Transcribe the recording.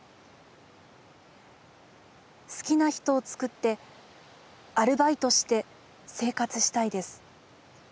好きな人を作ってアルバイトして生活したいです